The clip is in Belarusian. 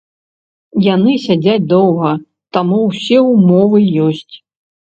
Яны сядзяць доўга, таму ўсе ўмовы ёсць.